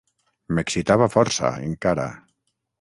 M'excitava força, encara.